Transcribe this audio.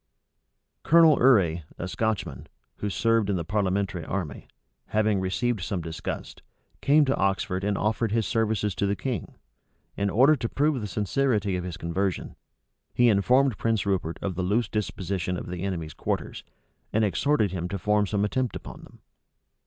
Colonel Urrey, a Scotchman, who served in the parliamentary army, having received some disgust, came to Oxford and offered his services to the king. In order to prove the sincerity of his conversion, he informed Prince Rupert of the loose disposition of the enemy's quarters, and exhorted him to form some attempt upon them.